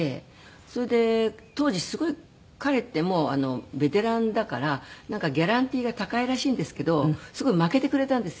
それで当時すごい彼ってもうベテランだからギャランティーが高いらしいんですけどすごいまけてくれたんですよ。